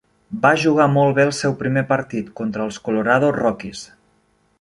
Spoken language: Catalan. Va jugar molt bé el seu primer partit, contra els Colorado Rockies.